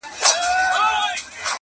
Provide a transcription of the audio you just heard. کږې خولې په سوک سمیږي د اولس د باتورانو-